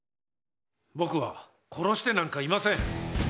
僕は殺してなんかいません。